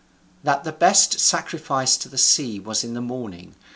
That the best sacrifice to the sea was in the morning.